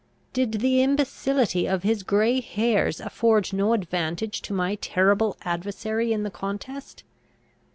Did the imbecility of his grey hairs afford no advantage to my terrible adversary in the contest?